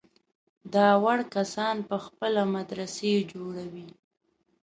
دا وړ کسان په خپله مدرسې جوړوي.